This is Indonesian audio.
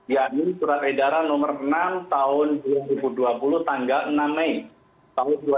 yakni surat edaran nomor enam tahun dua ribu dua puluh tanggal enam mei tahun dua ribu dua puluh